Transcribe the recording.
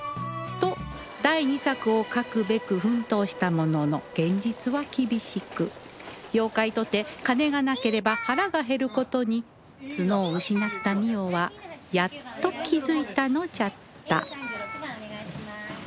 と第二作を書くべく奮闘したものの現実は厳しく妖怪とて金がなければ腹が減る事に角を失った澪はやっと気づいたのじゃった